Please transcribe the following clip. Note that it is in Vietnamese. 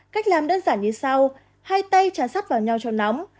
cách làm đơn giản như sau hai tay trái sắt vào nhau cho nóng